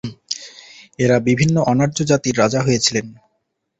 এঁরা বিভিন্ন অনার্য জাতির রাজা হয়েছিলেন।